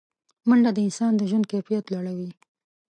منډه د انسان د ژوند کیفیت لوړوي